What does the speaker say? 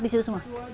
di situ semua